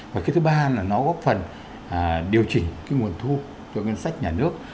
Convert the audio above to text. và cái thứ ba là nó góp phần điều chỉnh cái nguồn thu cho ngân sách nhà nước